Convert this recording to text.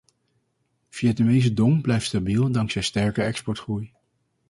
Vietnamese dong blijft stabiel dankzij sterke exportgroei.